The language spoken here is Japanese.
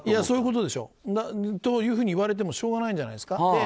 そういうことだと言われてもしょうがないんじゃないんですか。